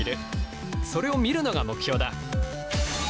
それを見るのが目標だ！